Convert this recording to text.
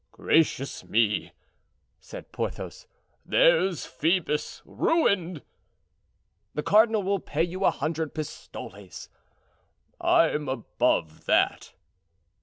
"Gracious me!" said Porthos, "there's Phoebus ruined." "The cardinal will pay you a hundred pistoles." "I'm above that."